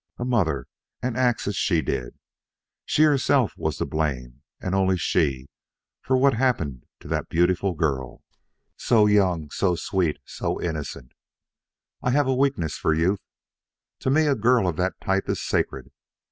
A mother and act as she did! She herself was to blame, and only she for what happened to that beautiful girl so young so sweet so innocent. I have a weakness for youth. To me a girl of that type is sacred.